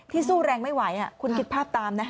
สู้แรงไม่ไหวคุณคิดภาพตามนะ